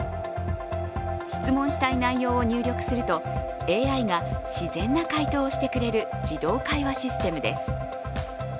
質問したい内容を入力するとＡＩが自然な回答をしてくれる自動会話システムです。